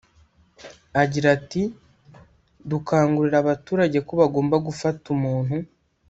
Agira ati “…dukangurira abaturage ko bagomba gufata umuntu